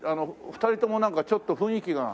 ２人ともなんかちょっと雰囲気が。